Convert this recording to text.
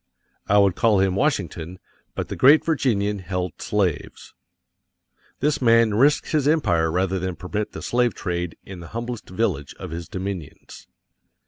I would call him Washington, but the great Virginian held slaves. This man risked his empire rather than permit the slave trade in the humblest village of his dominions.